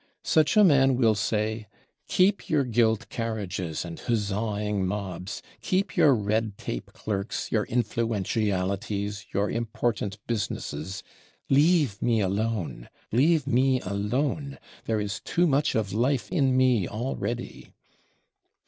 Such a man will say: "Keep your gilt carriages and huzzaing mobs, keep your red tape clerks, your influentialities, your important businesses. Leave me alone, leave me alone; there is too much of life in me already!"